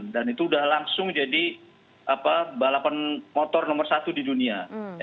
itu sudah langsung jadi balapan motor nomor satu di dunia